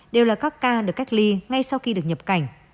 đều là các ca được cách ly ngay sau khi được nhập cảnh